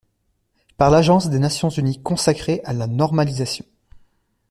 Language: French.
par l'agence des Nations Unies consacrée à la normalisation.